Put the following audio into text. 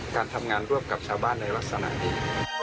การทำงานร่วมกับชาวบ้านในลักษณะนี้